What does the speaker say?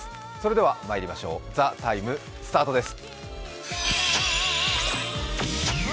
ではまいりましょう「ＴＨＥＴＩＭＥ，」スタートです。